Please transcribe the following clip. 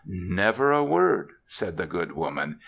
"Never a word," said the good woman.